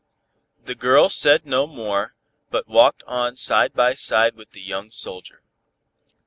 The girl said no more, but walked on side by side with the young soldier.